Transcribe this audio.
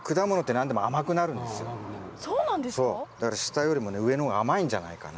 だから下よりもね上の方が甘いんじゃないかな。